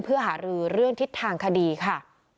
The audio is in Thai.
เพื่อหารือเรื่องทิศทางคดีค่ะ